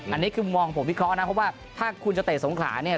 อันนี้คือมองผมวิเคราะห์นะเพราะว่าถ้าคุณจะเตะสงขลาเนี่ย